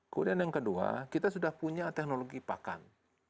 kemudian yang kedua kita sudah punya teknologi pakan